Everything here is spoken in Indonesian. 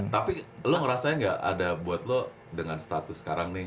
tapi lo ngerasain gak ada buat lo dengan status sekarang nih